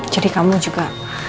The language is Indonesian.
jadi kamu juga